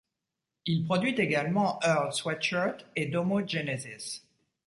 Il produit également Earl Sweatshirt et Domo Genesis.